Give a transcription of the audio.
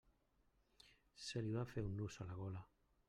Se li va fer un nus a la gola.